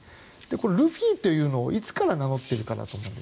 ルフィというのを、いつから名乗っているかだと思うんです。